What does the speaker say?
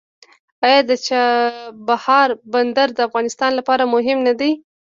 آیا د چابهار بندر د افغانستان لپاره مهم نه دی؟